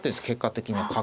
結果的に。